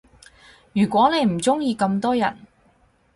如果你唔鐘意咁多人